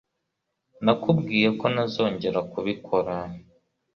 Nakubwiye ko ntazongera kubikora